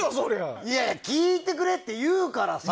いやいや、聞いてくれって言うからさ。